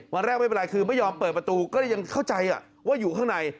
วันแรกไม่เป็นไรคือไม่ยอมเปิดประตูก็เลยยังเข้าใจว่าอยู่ข้างใน